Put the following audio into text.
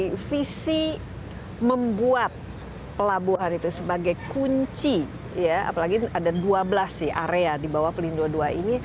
jadi revisi membuat pelabuhan itu sebagai kunci ya apalagi ada dua belas sih area di bawah pelindung dua ini